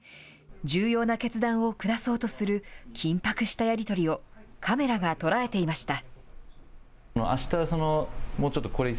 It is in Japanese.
重要な決断を下そうとする緊迫したやり取りをカメラが捉えていました。